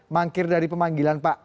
mangkir dari pemanggilan pak